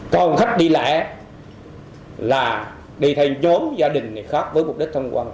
còn khách đi lễ là đi thay nhóm gia đình khác với mục đích thông quan